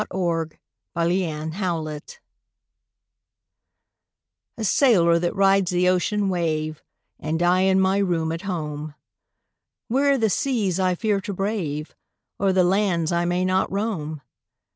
THE SAILOR A sailor that rides the ocean wave, Am I in my room at home : Where are the seas I iear to brave. Or the lands I may not roam?